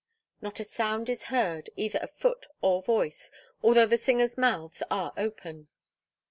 Not a sound is heard, either of foot or voice, although the singers' mouths are open.